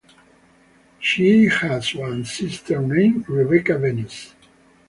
She has one sister named Rebecca Venus.